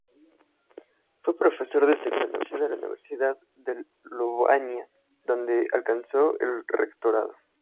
Fue profesor de Teología en la Universidad de Lovaina, donde alcanzó el rectorado.